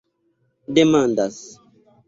demandas